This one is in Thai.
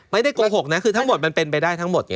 ไม่ได้โกหกนะคือทั้งหมดมันเป็นไปได้ทั้งหมด